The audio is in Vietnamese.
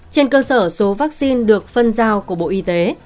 trên cơ sở số vaccine được phân giao của bộ y tế